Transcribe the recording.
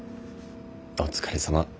お疲れさま。